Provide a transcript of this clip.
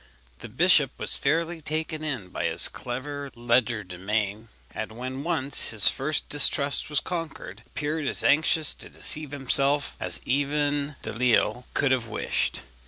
The bishop was fairly taken in by his clever legerdemain, and when once his first distrust was conquered, appeared as anxious to deceive himself as even Delisle could have wished.